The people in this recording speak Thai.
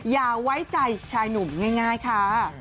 อย่าไว้ใจชายหนุ่มง่ายค่ะ